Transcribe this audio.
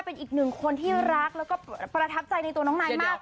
เป็นอีกหนึ่งคนที่รักแล้วก็ประทับใจในตัวน้องนายมาก